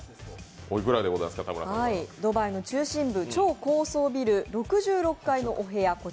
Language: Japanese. ドバイの中心部、超高層ビル６６階のお部屋。